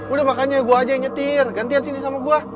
udah makanya gue aja yang nyetir gantian sini sama gue